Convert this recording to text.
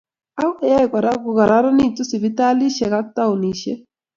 Akoyai kora kokaranitu sipitalishek ab taonishek